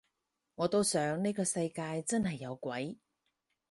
我都想呢個世界真係有鬼